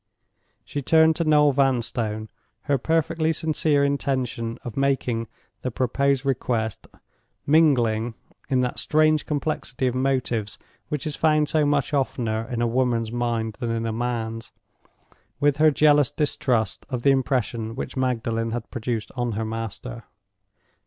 She turned to Noel Vanstone; her perfectly sincere intention of making the proposed request, mingling—in that strange complexity of motives which is found so much oftener in a woman's mind than in a man's—with her jealous distrust of the impression which Magdalen had produced on her master.